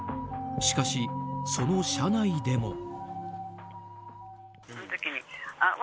しかし、その車内でも。